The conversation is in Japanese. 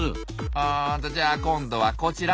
あじゃあ今度はこちら。